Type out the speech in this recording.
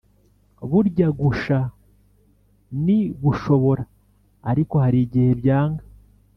burya gusha ni gushobora ariko harigihe byanga